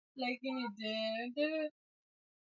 Ng'ombe wanaotoa maziwa mengi wako kwenye hatari zaidi